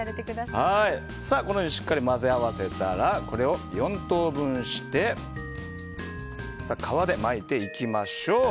このようにしっかり混ぜ合わせたらこれを４等分して皮で巻いていきましょう。